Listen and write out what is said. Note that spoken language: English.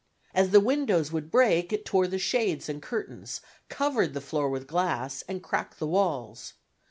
As the windows would break it tore the shades and curtains, covered the floor with glass, and cracked the walls.